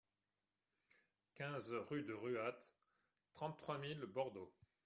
quinze rue de Ruat, trente-trois mille Bordeaux